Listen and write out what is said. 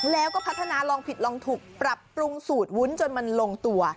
แล้วก็พัฒนาลองผิดลองถูกปรับปรุงสูตรวุ้นจนมันลงตัว